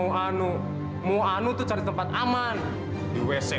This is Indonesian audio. untuk hati kak tante